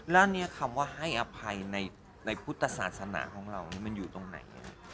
แล้วเนี่ยคำว่าให้อภัยในพุทธศาสนาของเรานี่มันอยู่ตรงไหน